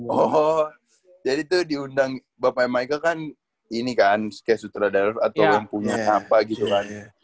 oh jadi tuh diundang bapak michael kan ini kan kayak sutradara atau yang punya apa gitu kan